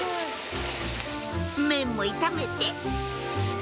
麺も炒めてじゃ